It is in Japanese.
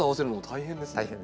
大変ですね。